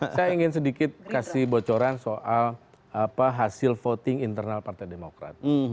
saya ingin sedikit kasih bocoran soal hasil voting internal partai demokrat